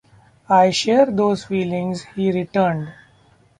"I share those feelings," he returned.